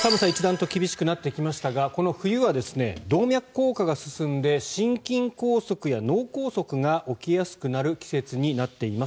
寒さが一段と厳しくなってきましたがこの冬は動脈硬化が進んで心筋梗塞や脳梗塞が起きやすくなる季節になっています。